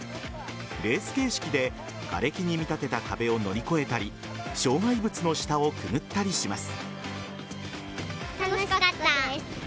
レース形式でがれきに見立てた壁を乗り越えたり障害物の下をくぐったりします。